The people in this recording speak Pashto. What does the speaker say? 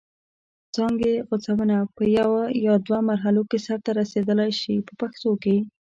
څانګې غوڅونه په یوه یا دوه مرحلو کې سرته رسیدلای شي په پښتو کې.